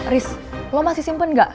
ris lo masih simpen nggak